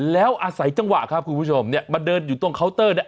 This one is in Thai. แล้วอาศัยจังหวะครับคุณผู้ชมเนี่ยมาเดินอยู่ตรงเคาน์เตอร์เนี่ย